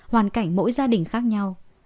hoàn cảnh mỗi gia đình khác nhau